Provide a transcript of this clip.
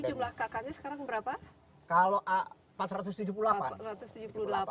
jadi jumlah kkm nya sekarang berapa